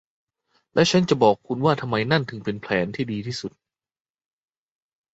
และฉันจะบอกคุณว่าทำไมนั่นถึงจะเป็นแผนที่ดีที่สุด